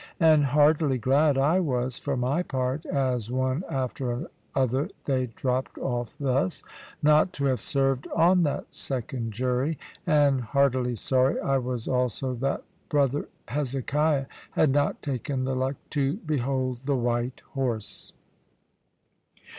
And heartily glad I was for my part (as one after other they dropped off thus), not to have served on that second jury; and heartily sorry I was also that brother Hezekiah had not taken the luck to behold the white horse.